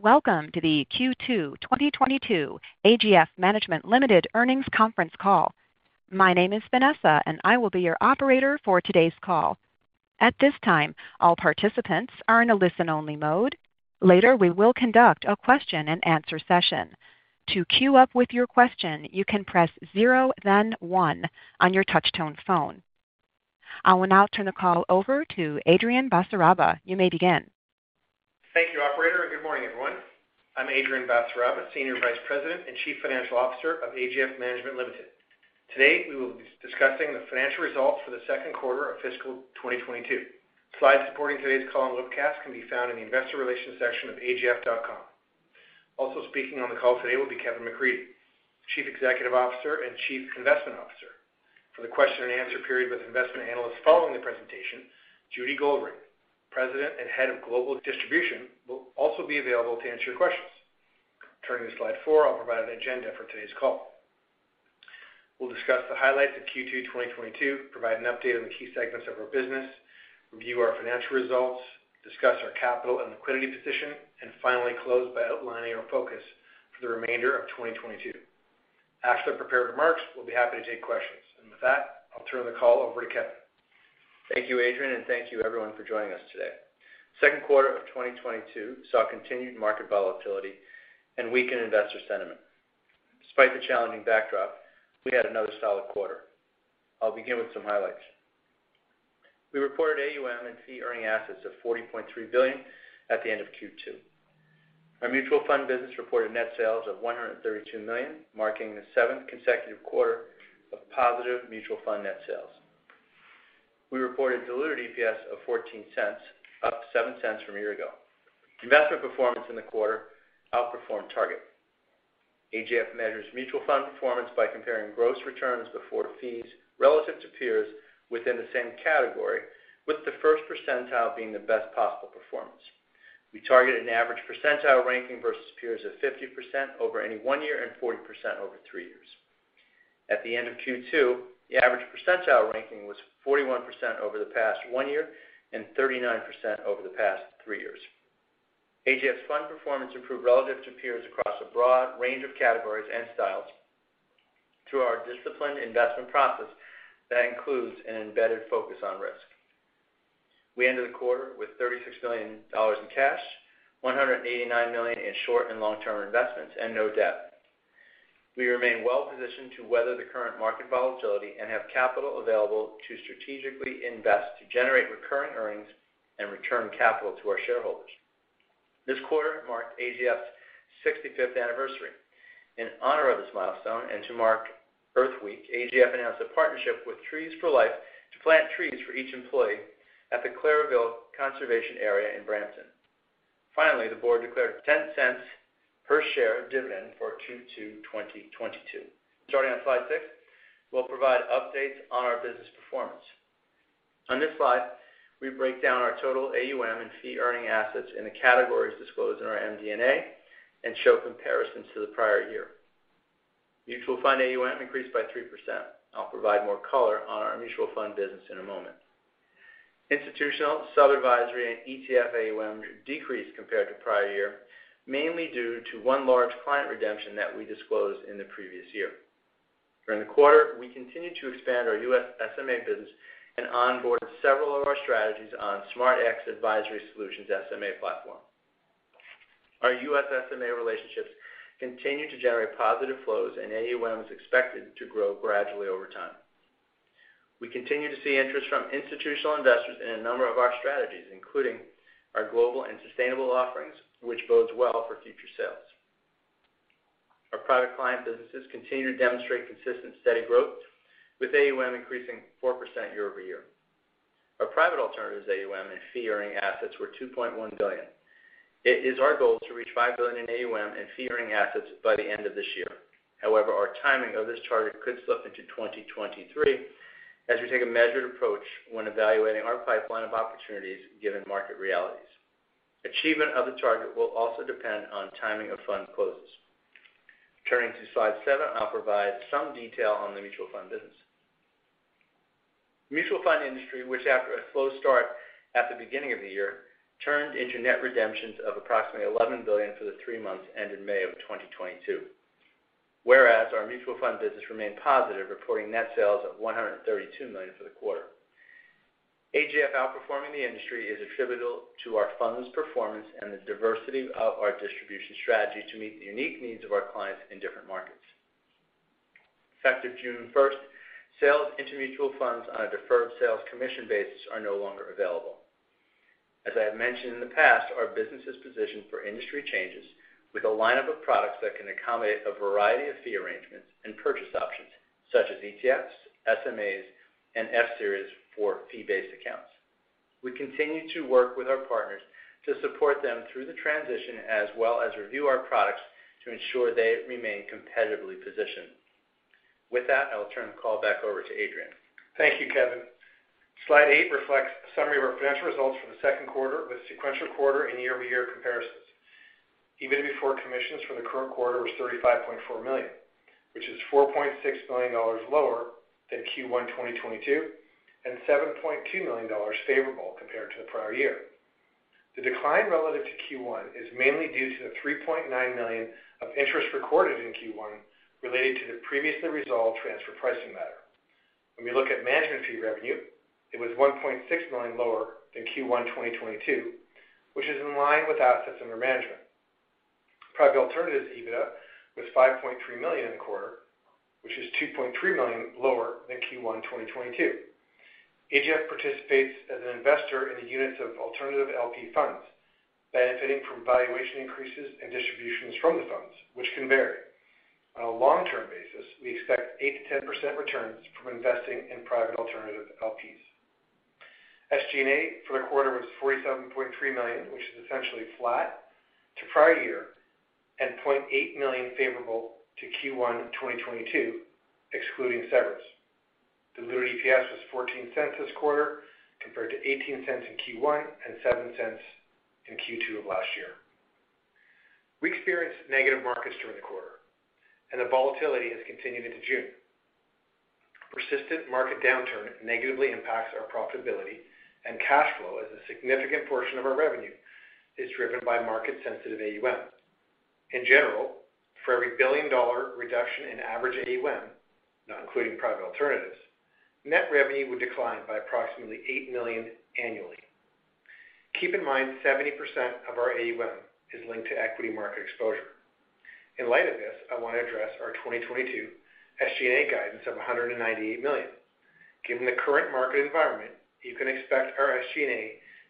Welcome to the Q2 2022 AGF Management Limited earnings conference call. My name is Vanessa, and I will be your operator for today's call. At this time, all participants are in a listen-only mode. Later, we will conduct a question-and-answer session. To queue up with your question, you can press zero then one on your touchtone phone. I will now turn the call over to Adrian Basaraba. You may begin. Thank you, operator, and good morning, everyone. I'm Adrian Basaraba, Senior Vice President and Chief Financial Officer of AGF Management Limited. Today, we will be discussing the financial results for the second quarter of fiscal 2022. Slides supporting today's call and webcast can be found in the investor relations section of agf.com. Also speaking on the call today will be Kevin McCreadie, Chief Executive Officer and Chief Investment Officer. For the question-and-answer period with investment analysts following the presentation, Judy Goldring, President and Head of Global Distribution, will also be available to answer your questions. Turning to slide four, I'll provide an agenda for today's call. We'll discuss the highlights of Q2 2022, provide an update on the key segments of our business, review our financial results, discuss our capital and liquidity position, and finally close by outlining our focus for the remainder of 2022. After the prepared remarks, we'll be happy to take questions. With that, I'll turn the call over to Kevin. Thank you, Adrian, and thank you everyone for joining us today. Second quarter of 2022 saw continued market volatility and weakened investor sentiment. Despite the challenging backdrop, we had another solid quarter. I'll begin with some highlights. We reported AUM and fee-earning assets of 40.3 billion at the end of Q2. Our mutual fund business reported net sales of 132 million, marking the seventh consecutive quarter of positive mutual fund net sales. We reported diluted EPS of 0.14, up 0.07 from a year ago. Investment performance in the quarter outperformed target. AGF measures mutual fund performance by comparing gross returns before fees relative to peers within the same category, with the first percentile being the best possible performance. We target an average percentile ranking versus peers of 50% over any one year and 40% over three years. At the end of Q2, the average percentile ranking was 41% over the past one year and 39% over the past three years. AGF's fund performance improved relative to peers across a broad range of categories and styles through our disciplined investment process that includes an embedded focus on risk. We ended the quarter with 36 million dollars in cash, 189 million in short and long-term investments, and no debt. We remain well positioned to weather the current market volatility and have capital available to strategically invest, to generate recurring earnings, and return capital to our shareholders. This quarter marked AGF's 65th anniversary. In honor of this milestone and to mark Earth Week, AGF announced a partnership with Trees for Life to plant trees for each employee at the Claireville Conservation Area in Brampton. Finally, the board declared 0.10 per share dividend for Q2 2022. Starting on slide six, we'll provide updates on our business performance. On this slide, we break down our total AUM and fee-earning assets in the categories disclosed in our MD&A and show comparisons to the prior year. Mutual fund AUM increased by 3%. I'll provide more color on our mutual fund business in a moment. Institutional sub-advisory and ETF AUM decreased compared to prior year, mainly due to one large client redemption that we disclosed in the previous year. During the quarter, we continued to expand our US SMA business and onboard several of our strategies on SMArtX Advisory Solutions SMA platform. Our US SMA relationships continue to generate positive flows, and AUM is expected to grow gradually over time. We continue to see interest from institutional investors in a number of our strategies, including our global and sustainable offerings, which bodes well for future sales. Our private client businesses continue to demonstrate consistent, steady growth, with AUM increasing 4% year-over-year. Our private alternatives AUM and fee-earning assets were 2.1 billion. It is our goal to reach 5 billion in AUM and fee-earning assets by the end of this year. However, our timing of this target could slip into 2023 as we take a measured approach when evaluating our pipeline of opportunities given market realities. Achievement of the target will also depend on timing of fund closes. Turning to slide seven, I'll provide some detail on the mutual fund business. Mutual fund industry, which after a slow start at the beginning of the year, turned into net redemptions of approximately 11 billion for the three months ended May 2022. Whereas our mutual fund business remained positive, reporting net sales of 132 million for the quarter. AGF outperforming the industry is attributable to our fund's performance and the diversity of our distribution strategy to meet the unique needs of our clients in different markets. Effective June 1, sales into mutual funds on a deferred sales commission basis are no longer available. As I have mentioned in the past, our business is positioned for industry changes with a lineup of products that can accommodate a variety of fee arrangements and purchase options such as ETFs, SMAs, and F-series for fee-based accounts. We continue to work with our partners to support them through the transition as well as review our products to ensure they remain competitively positioned. With that, I will turn the call back over to Adrian. Thank you, Kevin. Slide eight reflects a summary of our financial results for the second quarter with sequential quarter and year-over-year comparisons. EPS before commissions for the current quarter was 35.4 million, which is 4.6 million dollars lower than Q1 2022, and 7.2 million dollars favorable compared to the prior year. The decline relative to Q1 is mainly due to the 3.9 million of interest recorded in Q1 related to the previously resolved transfer pricing matter. When we look at management fee revenue, it was 1.6 million lower than Q1 2022, which is in line with assets under management. Private alternatives EBITDA was 5.3 million in the quarter, which is 2.3 million lower than Q1 2022. AGF participates as an investor in the units of alternative LP funds, benefiting from valuation increases and distributions from the funds, which can vary. On a long-term basis, we expect 8%-10% returns from investing in private alternative LPs. SG&A for the quarter was 47.3 million, which is essentially flat to prior year, and 0.8 million favorable to Q1 2022, excluding severance. Diluted EPS was 0.14 this quarter, compared to 0.18 in Q1 and 0.07 in Q2 of last year. We experienced negative markets during the quarter, and the volatility has continued into June. Persistent market downturn negatively impacts our profitability and cash flow as a significant portion of our revenue is driven by market-sensitive AUM. In general, for every 1 billion dollar reduction in average AUM, not including private alternatives, net revenue would decline by approximately 8 million annually. Keep in mind, 70% of our AUM is linked to equity market exposure. In light of this, I want to address our 2022 SG&A guidance of 198 million. Given the current market environment, you can expect our SG&A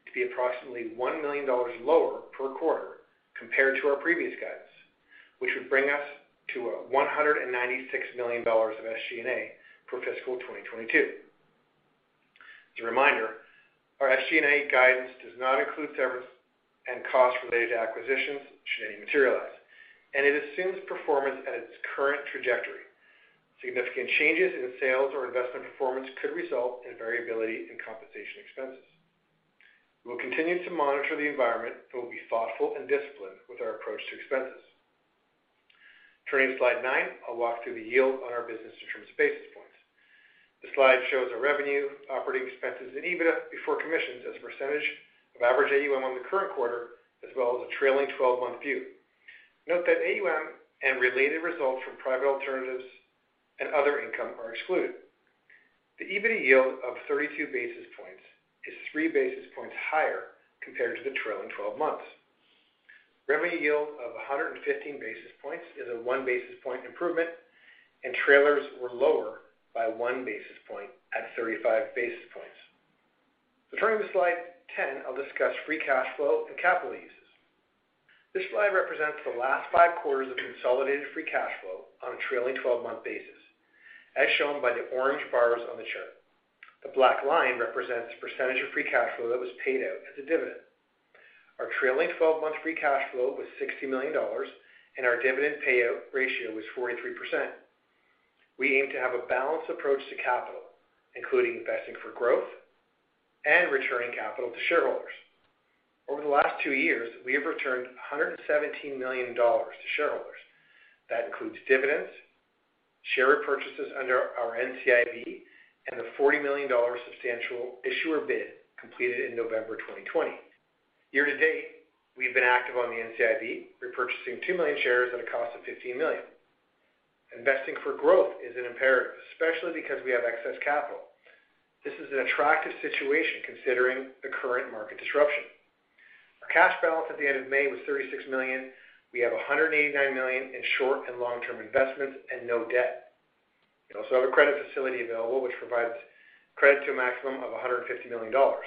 to be approximately 1 million dollars lower per quarter compared to our previous guidance, which would bring us to 196 million dollars of SG&A for fiscal 2022. As a reminder, our SG&A guidance does not include severance and costs related to acquisitions should any materialize, and it assumes performance at its current trajectory. Significant changes in sales or investment performance could result in variability in compensation expenses. We'll continue to monitor the environment, but we'll be thoughtful and disciplined with our approach to expenses. Turning to slide nine, I'll walk through the yield on our business in terms of basis points. The slide shows our revenue, operating expenses, and EBITDA before commissions as a percentage of average AUM on the current quarter, as well as a trailing twelve-month view. Note that AUM and related results from private alternatives and other income are excluded. The EBITDA yield of 32 basis points is 3 basis points higher compared to the trailing twelve months. Revenue yield of 115 basis points is a 1 basis point improvement, and trailers were lower by 1 basis point at 35 basis points. Turning to slide 10, I'll discuss free cash flow and capital uses. This slide represents the last five quarters of consolidated free cash flow on a trailing twelve-month basis, as shown by the orange bars on the chart. The black line represents the percentage of free cash flow that was paid out as a dividend. Our trailing twelve-month free cash flow was 60 million dollars, and our dividend payout ratio was 43%. We aim to have a balanced approach to capital, including investing for growth and returning capital to shareholders. Over the last two years, we have returned 117 million dollars to shareholders. That includes dividends, share repurchases under our NCIB, and the 40 million dollar substantial issuer bid completed in November 2020. Year to date, we've been active on the NCIB, repurchasing 2 million shares at a cost of 15 million. Investing for growth is an imperative, especially because we have excess capital. This is an attractive situation considering the current market disruption. Our cash balance at the end of May was 36 million. We have 189 million in short and long-term investments and no debt. We also have a credit facility available which provides credit to a maximum of 150 million dollars.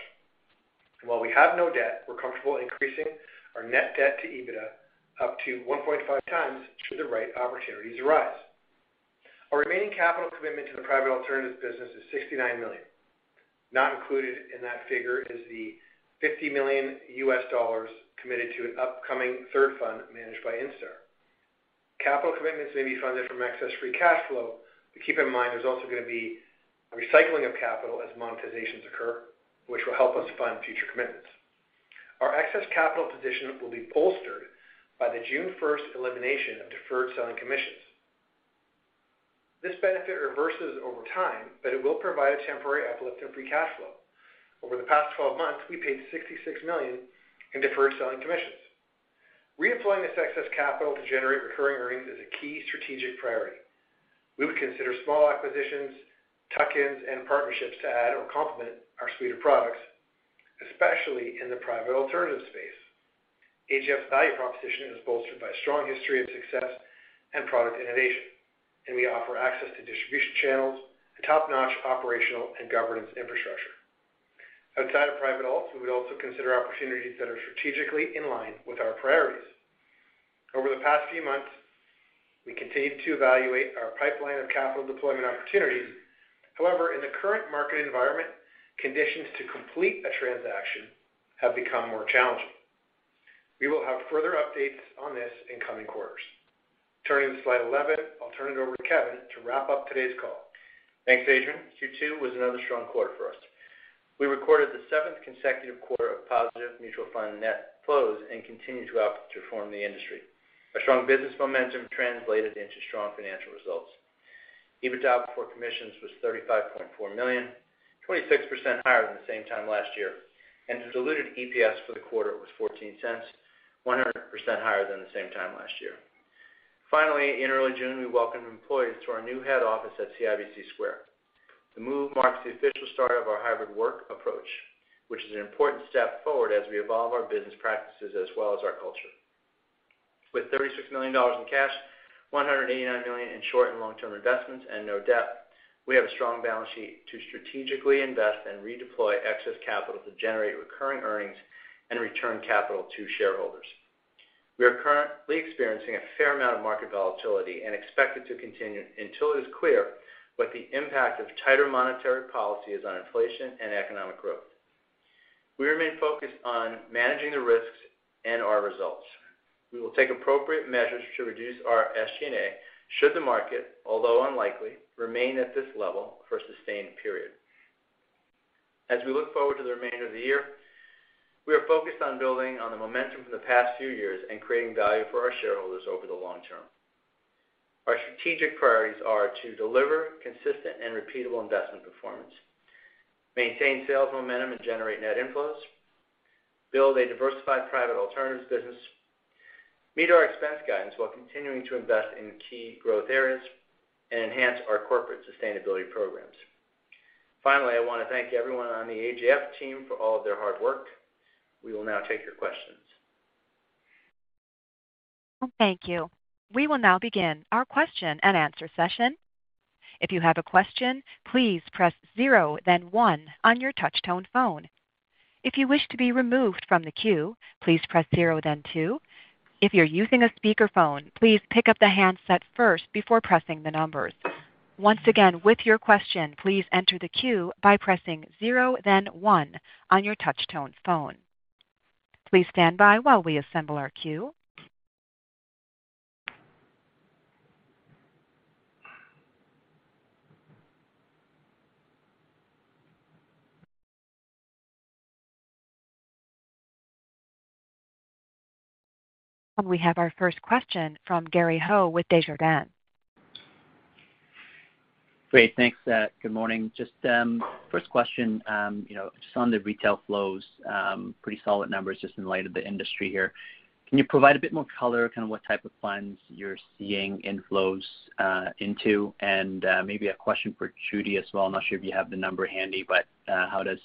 While we have no debt, we're comfortable increasing our net debt to EBITDA up to 1.5x should the right opportunities arise. Our remaining capital commitment to the private alternative business is 69 million. Not included in that figure is the $50 million committed to an upcoming third fund managed by Instar. Capital commitments may be funded from excess free cash flow, but keep in mind there's also gonna be a recycling of capital as monetizations occur, which will help us fund future commitments. Our excess capital position will be bolstered by the June 1 elimination of deferred selling commissions. This benefit reverses over time, but it will provide a temporary uplift in free cash flow. Over the past 12 months, we paid 66 million in deferred selling commissions. Reemploying this excess capital to generate recurring earnings is a key strategic priority. We would consider small acquisitions, tuck-ins, and partnerships to add or complement our suite of products, especially in the private alternative space. AGF's value proposition is bolstered by a strong history of success and product innovation, and we offer access to distribution channels and top-notch operational and governance infrastructure. Outside of private alts, we will also consider opportunities that are strategically in line with our priorities. Over the past few months, we continued to evaluate our pipeline of capital deployment opportunities. However, in the current market environment, conditions to complete a transaction have become more challenging. We will have further updates on this in coming quarters. Turning to slide 11. I'll turn it over to Kevin to wrap up today's call. Thanks, Adrian. Q2 was another strong quarter for us. We recorded the seventh consecutive quarter of positive mutual fund net flows and continued to outperform the industry. Our strong business momentum translated into strong financial results. EBITDA before commissions was 35.4 million, 26% higher than the same time last year, and the diluted EPS for the quarter was 0.14, 100% higher than the same time last year. Finally, in early June, we welcomed employees to our new head office at CIBC Square. The move marks the official start of our hybrid work approach, which is an important step forward as we evolve our business practices as well as our culture. With 36 million dollars in cash, 189 million in short and long-term investments, and no debt, we have a strong balance sheet to strategically invest and redeploy excess capital to generate recurring earnings and return capital to shareholders. We are currently experiencing a fair amount of market volatility and expect it to continue until it is clear what the impact of tighter monetary policy is on inflation and economic growth. We remain focused on managing the risks and our results. We will take appropriate measures to reduce our SG&A should the market, although unlikely, remain at this level for a sustained period. As we look forward to the remainder of the year, we are focused on building on the momentum from the past few years and creating value for our shareholders over the long term. Our strategic priorities are to deliver consistent and repeatable investment performance, maintain sales momentum, and generate net inflows, build a diversified private alternatives business, meet our expense guidance while continuing to invest in key growth areas, and enhance our corporate sustainability programs. Finally, I want to thank everyone on the AGF team for all of their hard work. We will now take your questions. Thank you. We will now begin our question and answer session. If you have a question, please press zero, then one on your touch tone phone. If you wish to be removed from the queue, please press zero then two. If you're using a speakerphone, please pick up the handset first before pressing the numbers. Once again, with your question, please enter the queue by pressing zero, then one on your touch tone phone. Please stand by while we assemble our queue. We have our first question from Gary Ho with Desjardins. Great. Thanks. Good morning. Just first question, you know, just on the retail flows, pretty solid numbers just in light of the industry here. Can you provide a bit more color, kind of what type of funds you're seeing inflows into? And maybe a question for Judy as well. I'm not sure if you have the number handy, but how does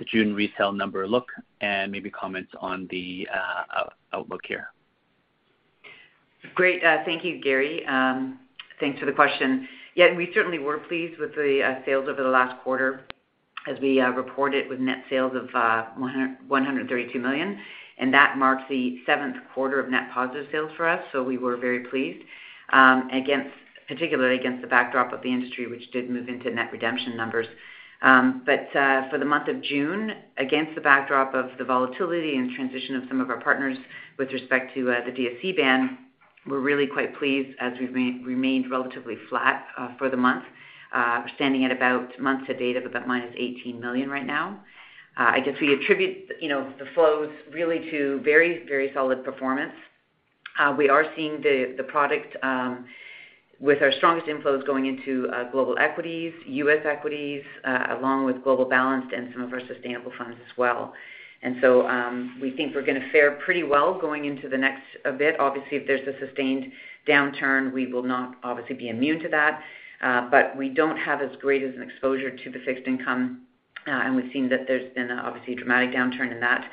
the June retail number look? And maybe comment on the outlook here. Great. Thank you, Gary. Thanks for the question. Yeah, we certainly were pleased with the sales over the last quarter as we reported with net sales of 132 million, and that marks the seventh quarter of net positive sales for us. We were very pleased, particularly against the backdrop of the industry, which did move into net redemption numbers. For the month of June, against the backdrop of the volatility and transition of some of our partners with respect to the DSC ban, we're really quite pleased as we remained relatively flat for the month. We're standing at about month to date of about -18 million right now. I guess we attribute, you know, the flows really to very, very solid performance. We are seeing the product with our strongest inflows going into global equities, U.S. equities, along with global balanced and some of our sustainable funds as well. We think we're going to fare pretty well going into the next event. Obviously, if there's a sustained downturn, we will not obviously be immune to that, but we don't have as great as an exposure to the fixed income, and we've seen that there's been obviously a dramatic downturn in that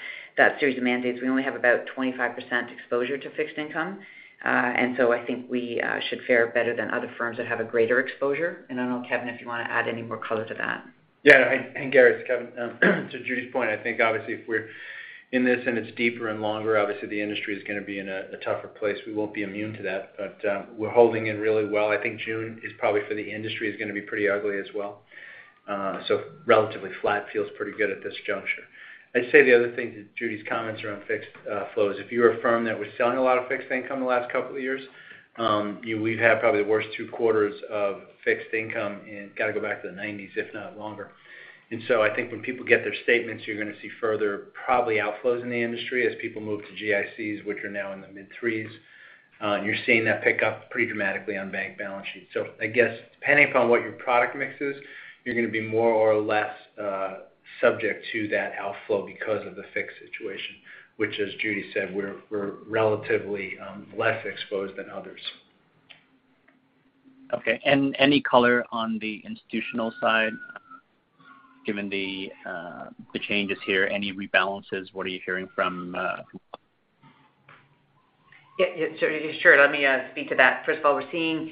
series of mandates. We only have about 25% exposure to fixed income. I think we should fare better than other firms that have a greater exposure. I don't know, Kevin, if you want to add any more color to that. Yeah. Gary, it's Kevin. To Judy's point, I think obviously if we're in this and it's deeper and longer, obviously the industry is going to be in a tougher place. We won't be immune to that, but we're holding in really well. I think June is probably for the industry is going to be pretty ugly as well. So relatively flat feels pretty good at this juncture. I'd say the other thing to Judy's comments around fixed flows, if you're a firm that was selling a lot of fixed income the last couple of years, we've had probably the worst two quarters of fixed income and got to go back to the nineties, if not longer. I think when people get their statements, you're going to see further probably outflows in the industry as people move to GICs, which are now in the mid-threes. You're seeing that pick up pretty dramatically on bank balance sheets. I guess depending upon what your product mix is, you're going to be more or less subject to that outflow because of the fixed situation, which as Judy said, we're relatively less exposed than others. Okay. Any color on the institutional side, given the changes here, any rebalances, what are you hearing from? Yeah, sure. Let me speak to that. First of all, we're seeing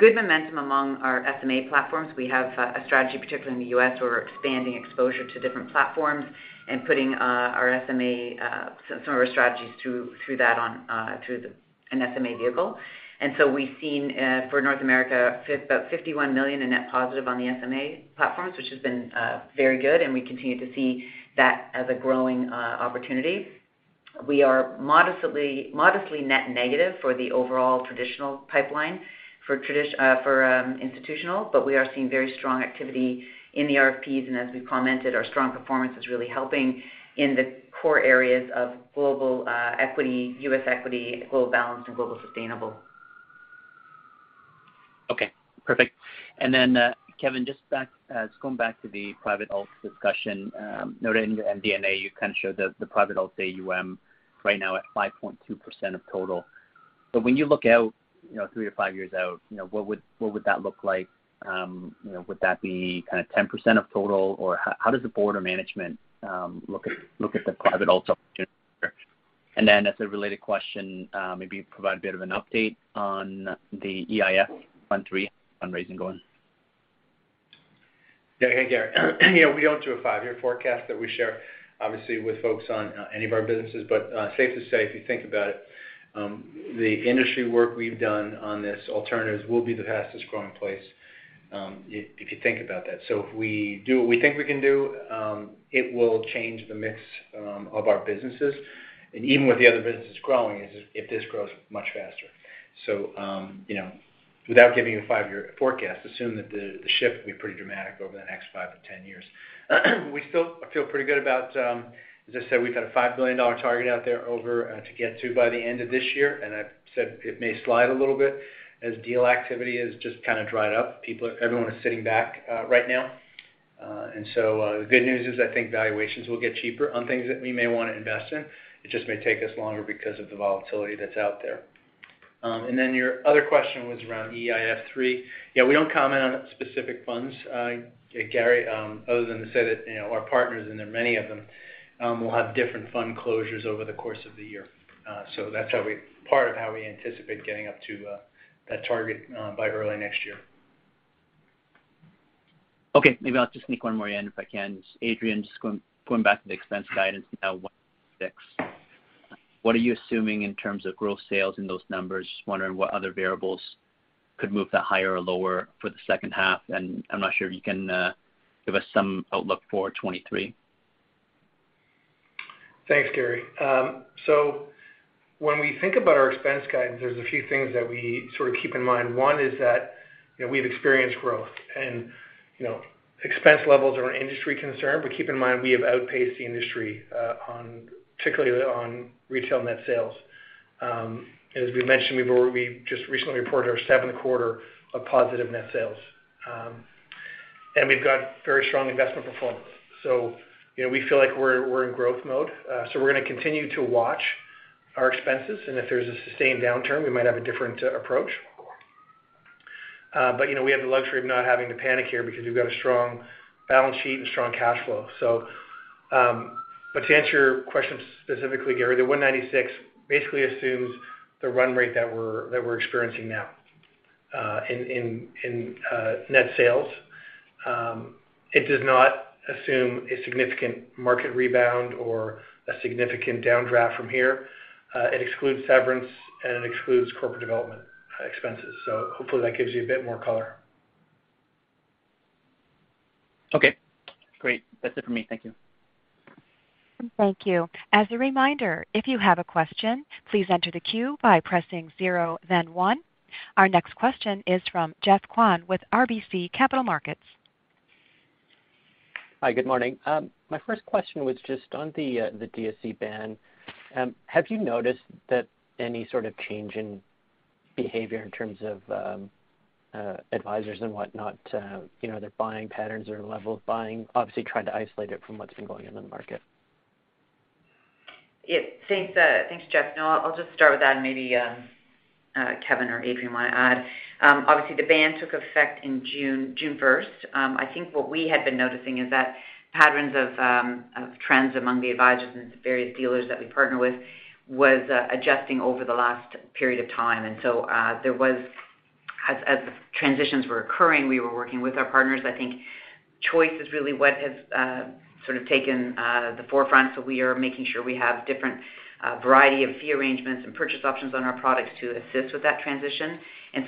good momentum among our SMA platforms. We have a strategy, particularly in the U.S., where we're expanding exposure to different platforms and putting our SMA some of our strategies through that on through an SMA vehicle. We've seen for North America about 51 million in net positive on the SMA platforms, which has been very good, and we continue to see that as a growing opportunity. We are modestly net negative for the overall traditional pipeline for institutional, but we are seeing very strong activity in the RFPs. As we've commented, our strong performance is really helping in the core areas of global equity, U.S. equity, global balanced, and global sustainable. Okay, perfect. Kevin, just going back to the private alts discussion, noted in your MD&A, you kind of showed the private alts AUM right now at 5.2% of total. But when you look out, you know, three-five years out, you know, what would that look like? You know, would that be kinda 10% of total? Or how does the board or management look at the private alt. As a related question, maybe provide a bit of an update on the EIF 13 fundraising going. Yeah. Hey, Gary. You know, we don't do a five-year forecast that we share, obviously, with folks on any of our businesses. Safe to say, if you think about it, the industry work we've done on this alternatives will be the fastest growing place, if you think about that. If we do what we think we can do, it will change the mix of our businesses. Even with the other businesses growing, if this grows much faster. You know, without giving you a five-year forecast, assume that the shift will be pretty dramatic over the next five to 10 years. I feel pretty good about, as I said, we've got a 5 billion dollar target out there to get to by the end of this year. I've said it may slide a little bit as deal activity has just kinda dried up. Everyone is sitting back right now. The good news is I think valuations will get cheaper on things that we may wanna invest in. It just may take us longer because of the volatility that's out there. Your other question was around EIF 3. Yeah, we don't comment on specific funds, Gary, other than to say that, you know, our partners, and there are many of them, will have different fund closures over the course of the year. That's part of how we anticipate getting up to that target by early next year. Okay. Maybe I'll just sneak one more in, if I can. Adrian, just going back to the expense guidance now, 1.6. What are you assuming in terms of growth sales in those numbers? Just wondering what other variables could move that higher or lower for the second half. I'm not sure if you can give us some outlook for 2023. Thanks, Gary. When we think about our expense guidance, there's a few things that we sort of keep in mind. One is that, you know, we've experienced growth. You know, expense levels are an industry concern, but keep in mind, we have outpaced the industry, particularly on retail net sales. As we mentioned before, we just recently reported our seventh quarter of positive net sales. We've got very strong investment performance. You know, we feel like we're in growth mode. We're gonna continue to watch our expenses, and if there's a sustained downturn, we might have a different approach. You know, we have the luxury of not having to panic here because we've got a strong balance sheet and strong cash flow. To answer your question specifically, Gary, the 196 million basically assumes the run rate that we're experiencing now in net sales. It does not assume a significant market rebound or a significant downdraft from here. It excludes severance and it excludes corporate development expenses. Hopefully that gives you a bit more color. Okay, great. That's it for me. Thank you. Thank you. As a reminder, if you have a question, please enter the queue by pressing zero then one. Our next question is from Geoff Kwan with RBC Capital Markets. Hi, good morning. My first question was just on the DSC ban. Have you noticed that any sort of change in behavior in terms of advisors and whatnot, you know, their buying patterns or level of buying, obviously trying to isolate it from what's been going on in the market? Yeah. Thanks, Geoff. No, I'll just start with that and maybe Kevin or Adrian want to add. Obviously the ban took effect in June first. I think what we had been noticing is that patterns of trends among the advisors and the various dealers that we partner with was adjusting over the last period of time. As the transitions were occurring, we were working with our partners. I think choice is really what has sort of taken the forefront. We are making sure we have different variety of fee arrangements and purchase options on our products to assist with that transition.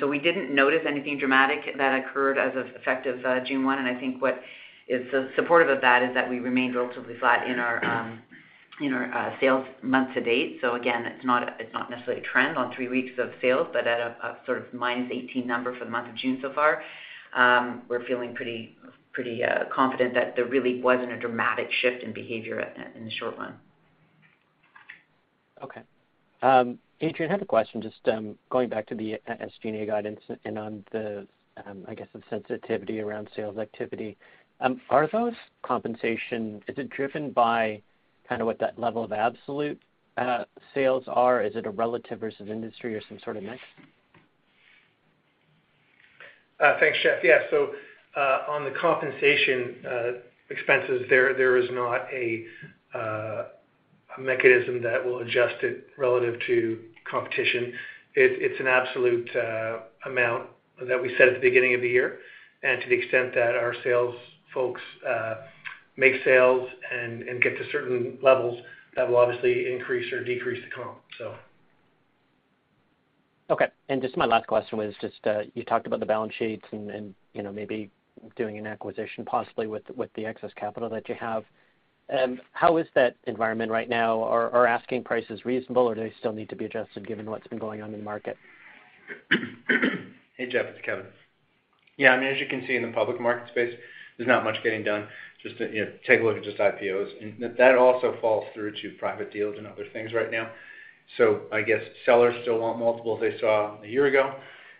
We didn't notice anything dramatic that occurred as of effective June 1. I think what is supportive of that is that we remained relatively flat in our sales month to date. Again, it's not necessarily a trend on three weeks of sales, but at a sort of -18% number for the month of June so far, we're feeling pretty confident that there really wasn't a dramatic shift in behavior in the short run. Okay. Adrian, I have a question, just going back to the SG&A guidance and on the, I guess the sensitivity around sales activity. Is it driven by kind of what that level of absolute sales are? Is it a relative versus industry or some sort of mix? Thanks, Geoff. Yeah. On the compensation expenses, there is not a mechanism that will adjust it relative to competition. It's an absolute amount that we set at the beginning of the year. To the extent that our sales folks make sales and get to certain levels, that will obviously increase or decrease the comp. Okay. Just my last question was just, you talked about the balance sheets and, you know, maybe doing an acquisition possibly with the excess capital that you have. How is that environment right now? Are asking prices reasonable, or do they still need to be adjusted given what's been going on in the market? Hey, Geoff, it's Kevin. Yeah, I mean, as you can see in the public market space, there's not much getting done. Just, you know, take a look at just IPOs. That also falls through to private deals and other things right now. I guess sellers still want multiples they saw a year ago.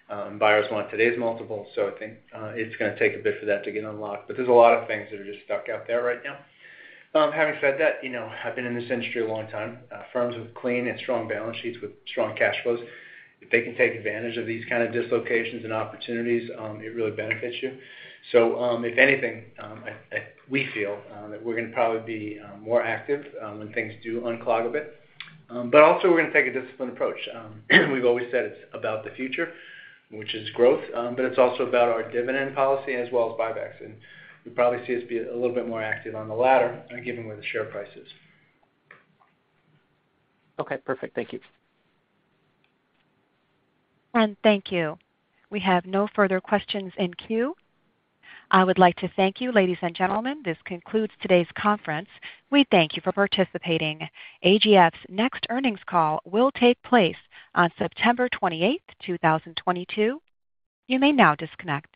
Buyers want today's multiples. I think it's gonna take a bit for that to get unlocked. There's a lot of things that are just stuck out there right now. Having said that, you know, I've been in this industry a long time. Firms with clean and strong balance sheets with strong cash flows, if they can take advantage of these kind of dislocations and opportunities, it really benefits you. If anything, we feel that we're gonna probably be more active when things do unclog a bit. Also we're gonna take a disciplined approach. We've always said it's about the future, which is growth, but it's also about our dividend policy as well as buybacks. You'll probably see us be a little bit more active on the latter, given where the share price is. Okay, perfect. Thank you. Thank you. We have no further questions in queue. I would like to thank you, ladies and gentlemen. This concludes today's conference. We thank you for participating. AGF's next earnings call will take place on September 28, 2022. You may now disconnect.